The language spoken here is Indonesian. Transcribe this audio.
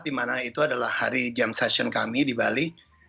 di mana itu adalah hari jam session kami di bali